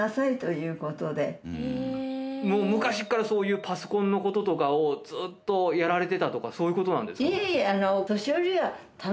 もう昔からそういうパソコンの事とかをずーっとやられてたとかそういう事なんですか？